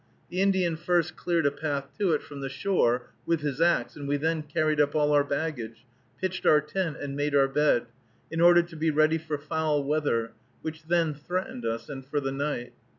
The Indian first cleared a path to it from the shore with his axe, and we then carried up all our baggage, pitched our tent, and made our bed, in order to be ready for foul weather, which then threatened us, and for the night.